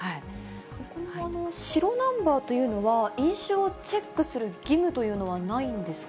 この白ナンバーというのは、飲酒をチェックする義務というのはないんですか。